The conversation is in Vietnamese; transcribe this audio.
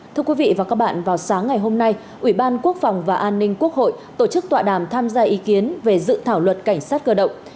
thưa quý vị và các bạn vào sáng ngày hôm nay ủy ban quốc phòng và an ninh quốc hội tổ chức tọa đàm tham gia ý kiến về dự thảo luật cảnh sát cơ động